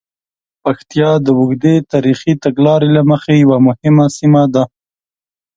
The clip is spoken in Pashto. پکتیا د اوږدې تاریخي تګلارې له مخې یوه مهمه سیمه ده.